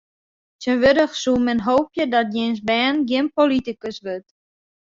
Tsjintwurdich soe men hoopje dat jins bern gjin politikus wurdt.